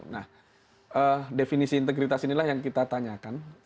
nah definisi integritas inilah yang kita tanyakan